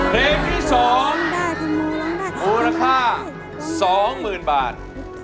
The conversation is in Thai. เพลงที่สองอุณหค่า๒หมื่นบาท